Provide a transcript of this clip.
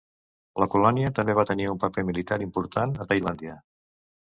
La colònia també va tenir un paper militar important a Tailàndia.